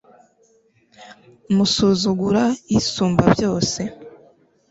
musuzugura isumbabyose